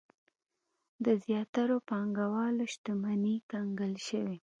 د زیاترو پانګوالو شتمنۍ کنګل شوې.